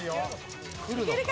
くるのか？